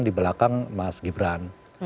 di belakang mas gibran